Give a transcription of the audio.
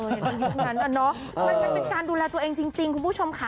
ในยุคนั้นอะเนาะมันเป็นการดูแลตัวเองจริงคุณผู้ชมค่ะ